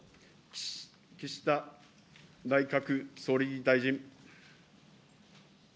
岸田内閣総理大臣。